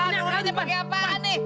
nah lu ini pake apaan nih